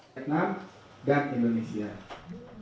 vietnam dan indonesia